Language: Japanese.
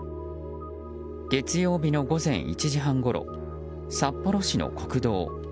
月曜日の午前１時半ごろ札幌市の国道。